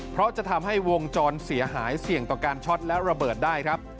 เพราะจะทำให้วงจรเสียหายเสี่ยงต่อการช็อตและระเบิดได้ครับ